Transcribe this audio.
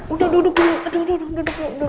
aduh duduk dulu